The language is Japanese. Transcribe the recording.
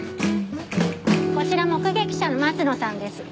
こちら目撃者の松野さんです。